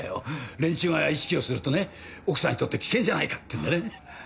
連中が意識をするとね奥さんにとって危険じゃないかっていうんでね。